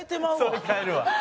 そりゃ変えるわ。